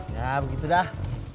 ya begitu dah